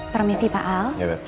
permisi pak al ya bet